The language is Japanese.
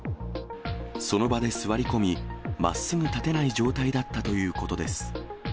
その場で座り込み、まっすぐ立てない状態だったということです。